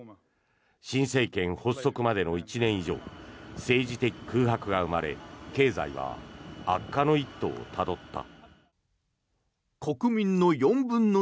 新政権発足までの１年以上政治的空白が生まれ経済は悪化の一途をたどった。